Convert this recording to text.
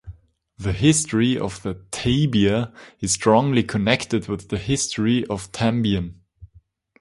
The history of the "tabia" is strongly connected with the history of Tembien.